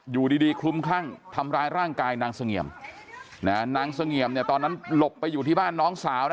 อยู่ดีดีคลุมคลั่งทำร้ายร่างกายนางเสงี่ยมนางเสงี่ยมเนี่ยตอนนั้นหลบไปอยู่ที่บ้านน้องสาวนะ